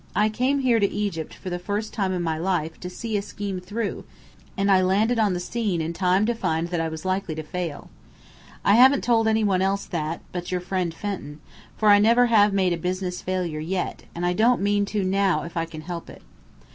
I came here to Egypt for the first time in my life, to see a scheme through, and I landed on the scene in time to find that I was likely to fail. I haven't told any one else that, but your friend Fenton; for I never have made a business failure yet, and I don't mean to now if I can help it.